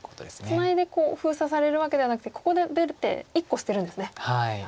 ツナいで封鎖されるわけではなくてここで出て１個捨てるんですね。